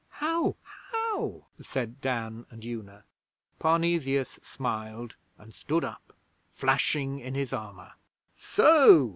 'How? How?' said Dan and Una. Parnesius smiled, and stood up, flashing in his armour. 'So!'